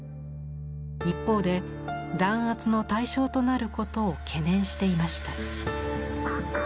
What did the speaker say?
一方で弾圧の対象となることを懸念していました。